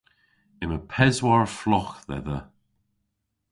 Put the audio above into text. Yma peswar flogh dhedha.